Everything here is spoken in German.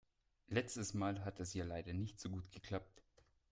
Letztes Mal hat es ja leider nicht so gut geklappt.